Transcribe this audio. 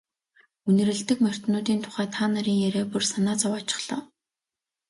Үнэрлэдэг морьтнуудын тухай та нарын яриа бүр санаа зовоочихлоо.